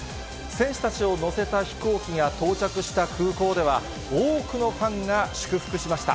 選手たちを乗せた飛行機が到着した空港では、多くのファンが祝福しました。